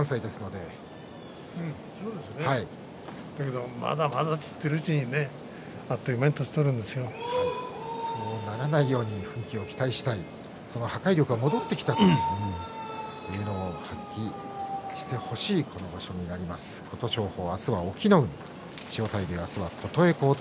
でも、まだまだと言っているうちにそうならないように奮起を期待したいその破壊力が戻ってきたというのを発揮してほしいこの場所になります琴勝峰。